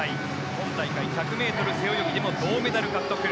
今大会１００ｍ背泳ぎでも銅メダル獲得。